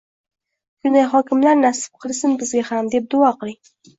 Shunday hokimlar nasib qilsin bizga ham, deb duo qiling